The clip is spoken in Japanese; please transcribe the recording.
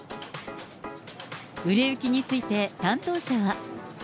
売れ行きについて担当者は。